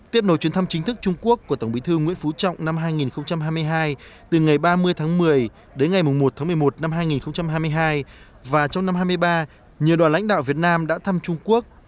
tiếp nổi chuyến thăm chính thức trung quốc của tổng bí thư nguyễn phú trọng năm hai nghìn hai mươi hai từ ngày ba mươi tháng một mươi đến ngày một tháng một mươi một năm hai nghìn hai mươi hai và trong năm hai mươi ba nhiều đoàn lãnh đạo việt nam đã thăm trung quốc